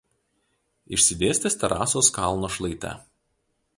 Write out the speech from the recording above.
Išsidėstęs terasose kalno šlaite.